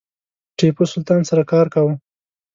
ټیپو سلطان سره کار کاوه.